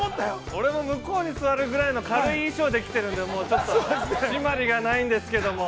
◆俺も向こうに座るぐらいの軽い衣装できているので締まりがないんですけれども。